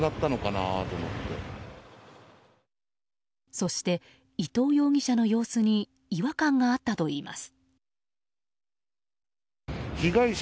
そして、伊東容疑者の様子に違和感があったといいます。